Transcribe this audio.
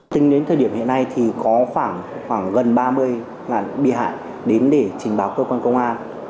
tính đến thời điểm hiện nay thì có khoảng khoảng gần ba mươi bị hại đến để trình báo cơ quan công an